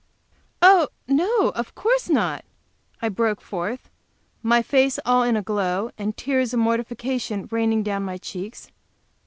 "Oh, no, of course not!" I broke forth, my face all in a glow, and tears of mortification raining down my cheeks.